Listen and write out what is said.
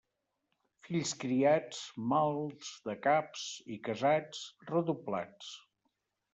Fills criats, mals de caps, i casats, redoblats.